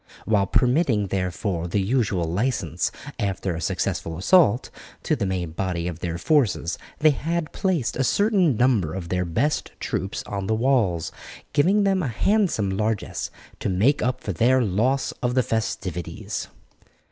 While permitting therefore the usual licence, after a successful assault, to the main body of their forces, they had placed a certain number of their best troops on the walls, giving them a handsome largess to make up for their loss of the festivities.